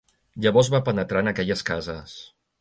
Llavors va penetrar en aquelles cases